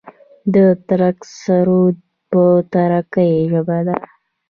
د ترک سرود په ترکۍ ژبه دی.